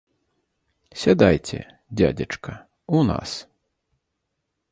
Сядайце, дзядзечка, у нас!